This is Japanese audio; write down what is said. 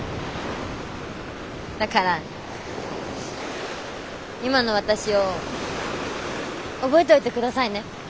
だから今の私を覚えておいてくださいね。